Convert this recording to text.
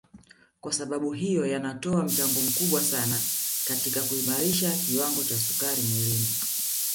Kwasababu hiyo yanatoa mchango mkubwa sana katika kuimarisha kiwango cha sukari mwilini